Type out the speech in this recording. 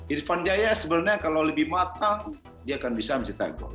irfan jaya sebenarnya kalau lebih matang dia akan bisa mencetak gol